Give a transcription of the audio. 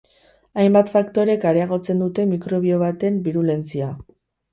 Hainbat faktorek areagotzen dute mikrobio baten birulentzia.